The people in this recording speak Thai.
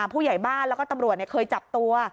ผู้ใหญ่บ้านแล้วก็ตำรวจเคยจับตัว